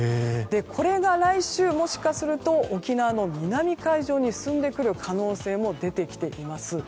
これが、来週もしかすると沖縄の南海上に進んでくる可能性も出てきています。